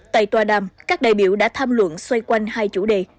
tại tòa đàm các đại biểu đã tham luận xoay quanh hai chủ đề